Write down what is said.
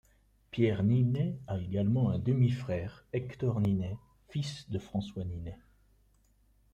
Pierre Niney a également un demi-frère, Hector Niney, fils de François Niney.